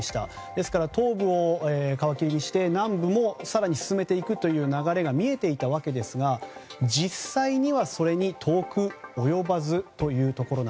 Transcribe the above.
ですから東部を皮切りにして南部も更に進めていくという流れも見えていたわけですが実際にはそれに遠く及ばすと。